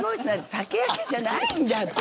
酒焼けじゃないんだって。